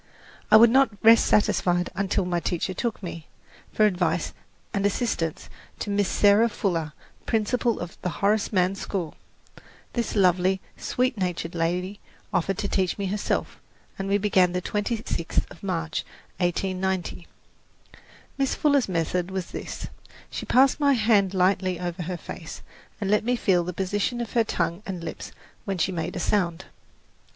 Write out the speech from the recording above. I would not rest satisfied until my teacher took me, for advice and assistance, to Miss Sarah Fuller, principal of the Horace Mann School. This lovely, sweet natured lady offered to teach me herself, and we began the twenty sixth of March, 1890. Miss Fuller's method was this: she passed my hand lightly over her face, and let me feel the position of her tongue and lips when she made a sound.